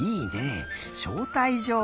しょうたいじょうか。